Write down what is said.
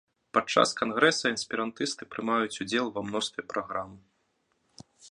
Падчас кангрэса эсперантысты прымаюць удзел ва мностве праграм.